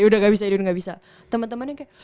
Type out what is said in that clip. udah gak bisa ini udah gak bisa temen temennya kayak